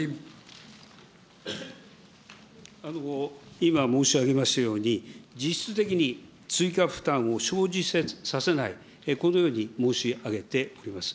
今申し上げましたように、実質的に追加負担を生じさせない、このように申し上げております。